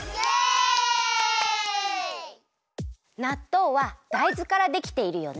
なっとうはだいずからできているよね。